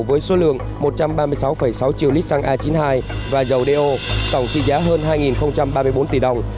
với số lượng một trăm ba mươi sáu sáu triệu lít xăng a chín mươi hai và dầu do tổng trị giá hơn hai ba mươi bốn tỷ đồng